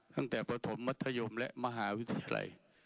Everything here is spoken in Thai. ตั้งแต่ประถมมัธยมและมหาวิทยาลัย